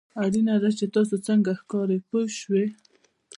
اړینه نه ده چې تاسو څنګه ښکارئ پوه شوې!.